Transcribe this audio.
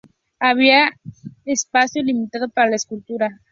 Había espacio limitado para la escultura.